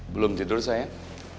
belum tidur sayang